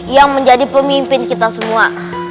yang menjadi pemimpin kita semua